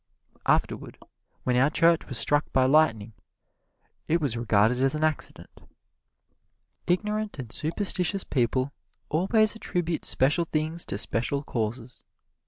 Afterward, when our church was struck by lightning, it was regarded as an accident. Ignorant and superstitious people always attribute special things to special causes.